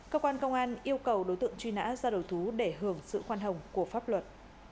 cơ quan công an yêu cầu đối tượng truy nã ra đầu thú để hưởng sự khoan hồng của pháp luật